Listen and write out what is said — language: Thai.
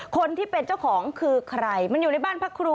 คนที่เป็นเจ้าของคือใครมันอยู่ในบ้านพระครู